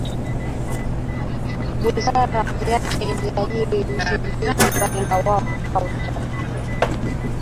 Ziara yake inajiri wiki mbili baada ya wao kutoa taarifa